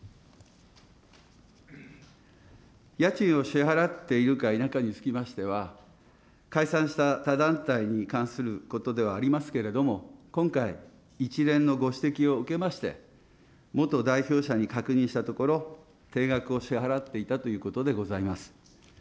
家賃を支払っているか否かにつきましては、解散した他団体に関することではありますけれども、今回、一連のご指摘を受けまして、元代表者に確認したところ、定額を支払っていたということでございます。